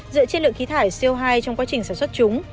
dựa trên lượng khí thải co hai trong quá trình sản xuất chúng